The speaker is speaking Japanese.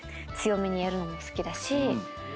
強めにやるのも好きだし。